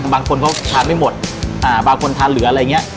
บางคนเขาทานไม่หมดบางคนทานเหลืออะไรอย่างนี้